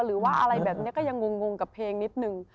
หรือว่าอะไรแบบนี้ก็ยังงงกับเพลงนิดนึง